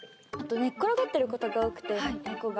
寝っ転がってることが多くてネコが。